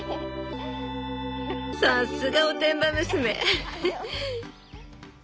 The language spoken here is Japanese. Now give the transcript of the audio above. さっすがおてんば娘！